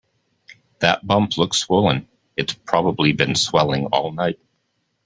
That bump looks swollen. It's probably been swelling all night.